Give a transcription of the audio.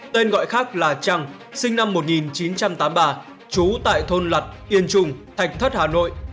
tên gọi khác là trăng sinh năm một nghìn chín trăm tám mươi ba trú tại thôn lật yên trung thạch thất hà nội